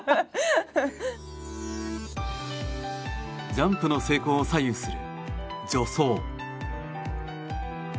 ジャンプの成功を左右する助走。